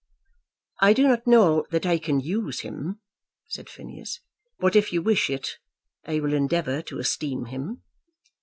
"I do not know that I can use him," said Phineas; "but if you wish it, I will endeavour to esteem him."